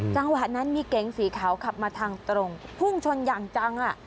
จังหวะนั้นมีเก๋งสีขาวขับมาทางตรงพุ่งชนอย่างจัง